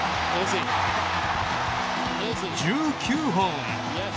１９本。